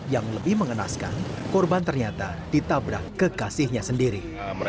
yang lebih mengenaskan korban ternyata ditabrak kekasihnya sendiri